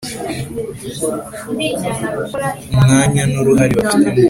umwanya n’uruhare bafite mu kuyubaka.